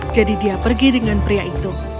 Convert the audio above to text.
jadi dia pergi dengan pria itu